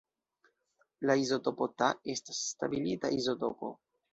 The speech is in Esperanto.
La izotopo Ta estas stabila izotopo.